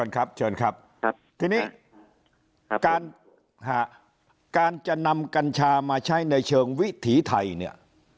ครับเชิญครับทีนี้การจะนำกัญชามาใช้ในเชิงวิถีไทยเนี่ย